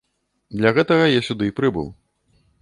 Для гэтага я сюды і прыбыў.